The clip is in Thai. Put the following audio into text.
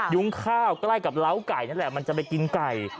ยุ้งข้าวใกล้กับเล้าไก่นั่นแหละมันจะไปกินไก่